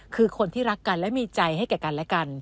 คือคนที่รักกันและมีใจให้แก่กันและกัน